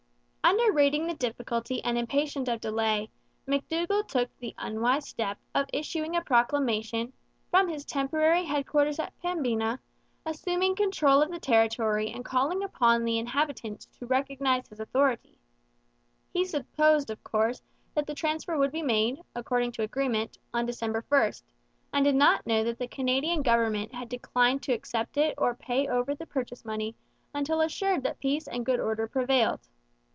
Underrating the difficulty and impatient of delay, McDougall took the unwise step of issuing a proclamation, from his temporary headquarters at Pembina, assuming control of the territory and calling upon the inhabitants to recognize his authority. He supposed, of course, that the transfer would be made, according to agreement, on December 1, and did not know that the Canadian government had declined to accept it or pay over the purchase money until assured that peace and good order prevailed.